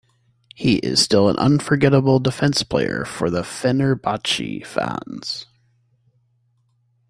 He is still an unforgettable defence player for Fenerbahce Fans.